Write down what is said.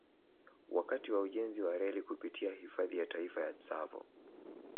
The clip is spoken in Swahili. Wakati wa ujenzi wa reli kupitia Hifadhi ya Taifa ya Tsavo